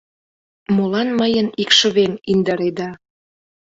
Молан мыйын икшывем индыреда?